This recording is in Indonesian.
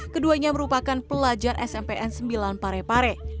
keduanya merupakan pelajar smp n sembilan pare pare